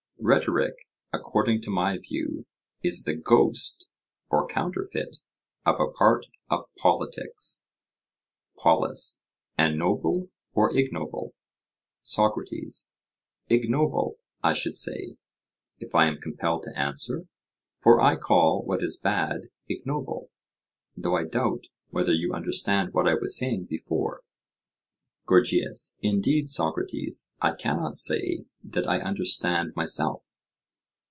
Rhetoric, according to my view, is the ghost or counterfeit of a part of politics. POLUS: And noble or ignoble? SOCRATES: Ignoble, I should say, if I am compelled to answer, for I call what is bad ignoble: though I doubt whether you understand what I was saying before. GORGIAS: Indeed, Socrates, I cannot say that I understand myself.